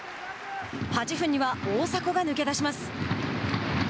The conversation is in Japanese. ８分には大迫が抜け出します。